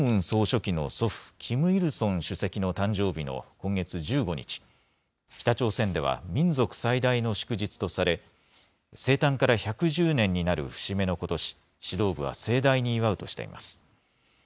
総書記の祖父、キム・イルソン主席の誕生日の今月１５日、北朝鮮では民族最大の祝日とされ、生誕から１１０年になる節目のことし、指導部は盛大に祝うとしています。